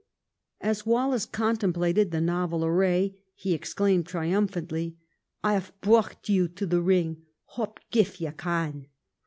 As Wallace contemplated the novel array, he ex claimed triumphantly, " I half brocht you to the ring, hop gif ye can."